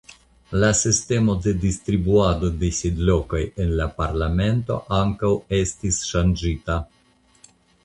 La sistemo de distribuado de sidlokoj en la parlamento ankaŭ estis ŝanĝita.